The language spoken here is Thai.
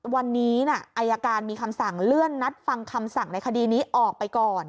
วันนี้อายการมีคำสั่งเลื่อนนัดฟังคำสั่งในคดีนี้ออกไปก่อน